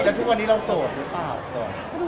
ถ้าทุกวันนี้ชั้นโสดนึงว่าเปล่ามีไร